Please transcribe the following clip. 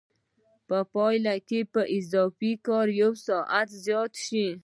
په پایله کې به اضافي کار یو ساعت زیات شي